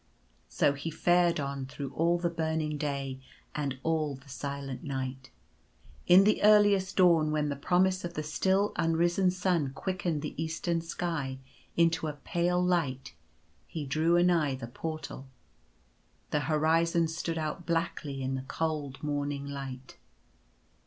So he fared on through all the burning day, and all the silent night. In the earliest dawn, when the promise of the still unrisen sun quickened the eastern sky into a pale light, he drew anigh the Portal. The horizon stood out blackly in the cold morning light.